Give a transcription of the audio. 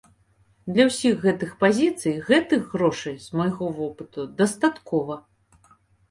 Для ўсіх гэтых пазіцый гэтых грошай, з майго вопыту, дастаткова.